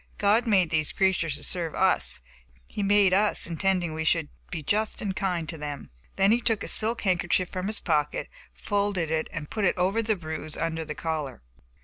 God made these creatures to serve us, but he made us intending we should be just and kind to them." Then he took a silk handkerchief from his pocket, folded and put it over the bruise under the collar.